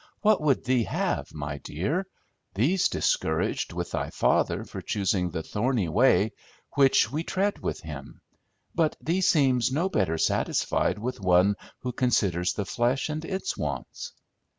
What would thee have, my dear? Thee's discouraged with thy father for choosing the thorny way, which we tread with him; but thee seems no better satisfied with one who considers the flesh and its wants."